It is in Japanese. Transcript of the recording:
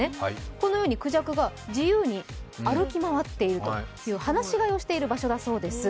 このように、くじゃくが自由に歩き回っているという、放し飼いをしている場所だそうです。